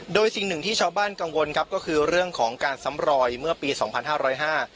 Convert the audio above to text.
โดยสิ่งหนึ่งที่ชาวบ้านกังวลครับก็คือเรื่องของการซ้ำรอยเมื่อปีสองพันห้าร้อยห้า